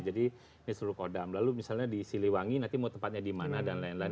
jadi ini seluruh kodam lalu misalnya di siliwangi nanti mau tempatnya dimana dan lain lain